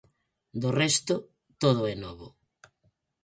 Do resto: todo é novo.